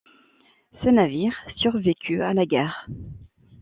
Ce navire survécut à la guerre.